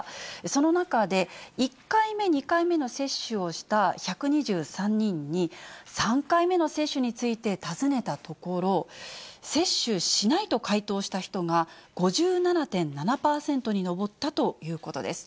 その中で、１回目、２回目の接種をした１２３人に、３回目の接種について尋ねたところ、接種しないと回答した人が５７．７％に上ったということです。